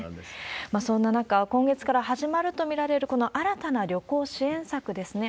そんな中、今月から始まると見られる、この新たな旅行支援策ですね。